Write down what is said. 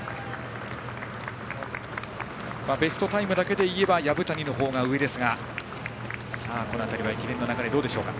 ベストタイムだけでいえば薮谷の方が上ですが、この辺りは駅伝の流れどうでしょうか。